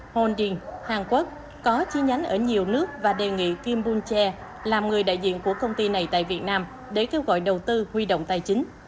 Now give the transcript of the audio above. honding hàn quốc có chi nhánh ở nhiều nước và đề nghị kim bung che làm người đại diện của công ty này tại việt nam để kêu gọi đầu tư huy động tài chính